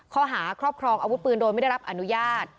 ข้อหาครอบครองอาวุธปืนโดยไม่ได้รับอนุญาต